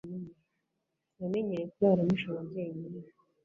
Namenyereye kurara nijoro jye nyine